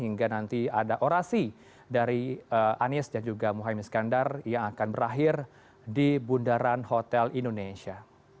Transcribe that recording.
hingga nanti ada orasi dari anies dan juga mohaimin skandar yang akan berakhir di bundaran hotel indonesia